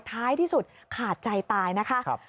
ท้ายที่สุดขาดใจตายนะคะ